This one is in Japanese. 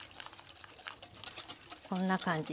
こんな感じ